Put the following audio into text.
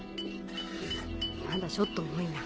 まだちょっと重いな。